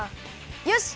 よし！